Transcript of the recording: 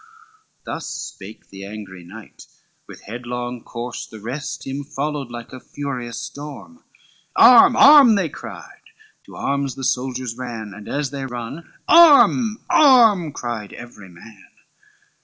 Thus spake the angry knight with headlong course; The rest him followed with a furious storm, "Arm, arm." they cried, to arms the soldiers ran. And as they run, "Arm, arm," cried every man.